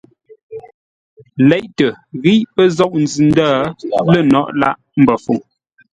Leʼtə́ ghíʼ pə́ zôʼ nzʉ-ndə̂ lə̂ nôghʼ lâʼ Mbəfuŋ.